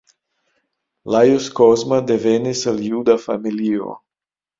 Lajos Kozma devenis el juda familio.